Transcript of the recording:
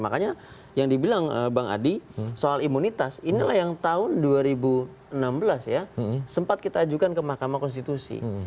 makanya yang dibilang bang adi soal imunitas inilah yang tahun dua ribu enam belas ya sempat kita ajukan ke mahkamah konstitusi